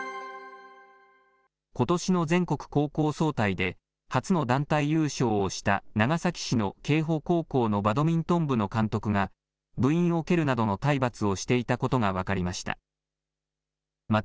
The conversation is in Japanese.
ことしの全国高校総体で初の団体優勝をした長崎市の瓊浦高校のバドミントン部の監督が、部員を蹴るなどの体罰をしていたことが分かりました。